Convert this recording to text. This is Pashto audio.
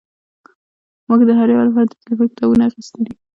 موږ د هر یو لپاره د ټیلیفون کتابونه اخیستي دي